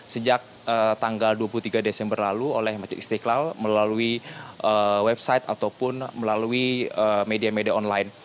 sejak tanggal dua puluh tiga desember lalu oleh masjid istiqlal melalui website ataupun melalui media media online